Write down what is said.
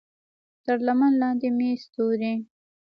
تر لمن لاندې مې ستوري